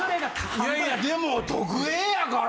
いやいやでも特Ａやから。